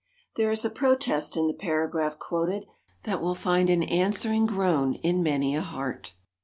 There is a protest in the paragraph quoted that will find an answering groan in many a heart.